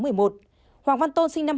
hoàng văn tôn sinh năm hai nghìn